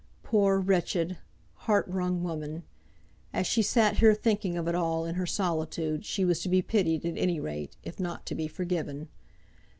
Poor, wretched, heart wrung woman! As she sat there thinking of it all in her solitude she was to be pitied at any rate, if not to be forgiven.